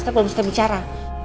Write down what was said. saya belum setel bicara